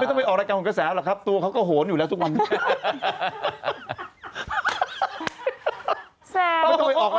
มาโพดตอนนี้คือเพื่ออะไรโอ๊ะ